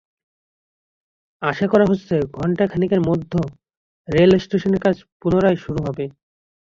আশা করা হচ্ছে, ঘণ্টা খানেকের মধ্য রেলস্টেশনের কাজ পুনরায় শুরু হবে।